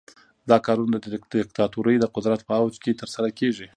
دا کارونه د دیکتاتورۍ د قدرت په اوج کې ترسره کیږي.